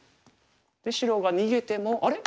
白が逃げてもあれ？